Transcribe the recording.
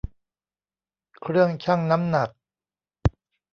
เครื่องชั่งน้ำหนัก